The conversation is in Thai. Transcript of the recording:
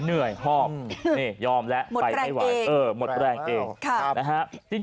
เหนื่อยฮอกนี่ยอมแล้วไปให้ไหวหมดแรงเอง